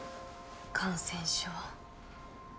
感染症。